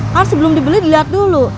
kan sebelum dibeli dilihat dulu